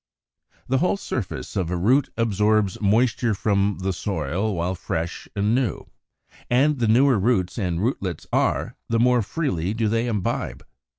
72. The whole surface of a root absorbs moisture from the soil while fresh and new; and the newer roots and rootlets are, the more freely do they imbibe.